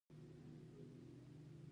مرغاب سیند له کوم ځای سرچینه اخلي؟